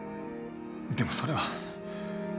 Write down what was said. でもそれは。